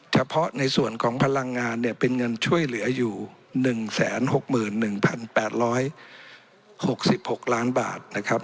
เฉพาะในส่วนของพลังงานเนี่ยเป็นเงินช่วยเหลืออยู่๑๖๑๘๖๖ล้านบาทนะครับ